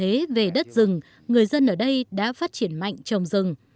vì thế về đất rừng người dân ở đây đã phát triển mạnh trồng rừng